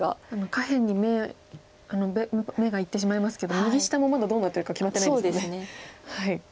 下辺に目がいってしまいますけど右下もまだどうなってるか決まってないですもんね。